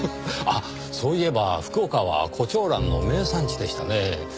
あっそういえば福岡は胡蝶蘭の名産地でしたねぇ。